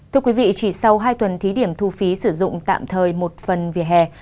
thưa quý vị chỉ sau hai tuần thí điểm thu phí sử dụng tạm thời một phần vỉa hè